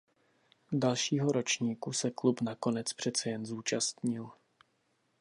Dalšího ročníku se klub nakonec přece jen zúčastnil.